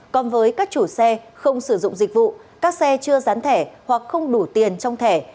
còn với các chủ xe không sử dụng dịch vụ các xe chưa dán thẻ hoặc không đủ tiền trong thẻ